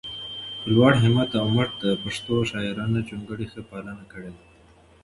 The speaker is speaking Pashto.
په لوړ همت او مټ د پښتو شاعرانه جونګړې ښه پالنه کړي ده